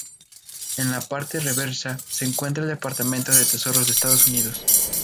En la parte reversa se encuentra El Departamento de tesoros de Estados Unidos.